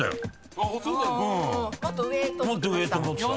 もっと上と思ってました？